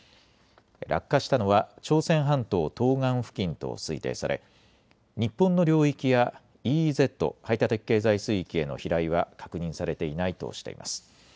落下したのは朝鮮半島東岸付近と推定され、日本の領域やＥＥＺ・排他的経済水域への飛来は確認されていないとしています。